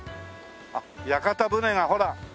あっ屋形船がほら。